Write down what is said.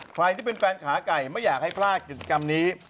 ใครที่เป็นแฟนขาไก่ไม่อยากให้พลาดกิจกรรมนี้